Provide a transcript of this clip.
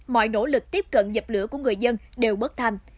mọi nỗ lực tiếp cận dập lửa của người dân đều bất thành